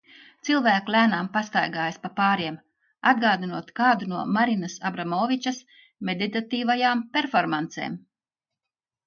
Cilvēki lēnām pastaigājas pa pāriem, atgādinot kādu no Marinas Abramovičas meditatīvajām performancēm.